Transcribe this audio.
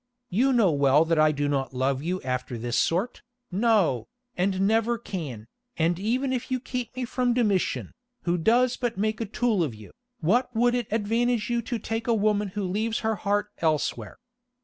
You know well that I do not love you after this sort, no, and never can, and even if you keep me from Domitian, who does but make a tool of you, what would it advantage you to take a woman who leaves her heart elsewhere?